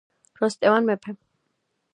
როსტევან მეფე.